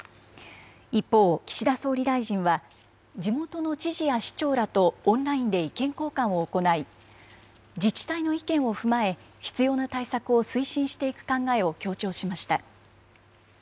一方、岸田総理大臣は、地元の知事や市長らとオンラインで意見交換を行い、自治体の意見を踏まえ、必要な対策を推進していく考えを強調しました。